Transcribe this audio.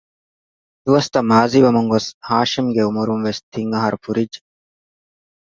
ދުވަސްތައް މާޒީވަމުންގޮސް ހާޝިމްގެ އުމުރުންވެސް ތިން އަހަރު ފުރިއްޖެ